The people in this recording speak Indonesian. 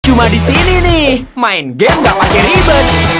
cuma disini nih main game gak lagi ribet